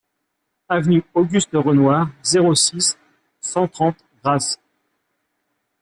Avenue Auguste Renoir, zéro six, cent trente Grasse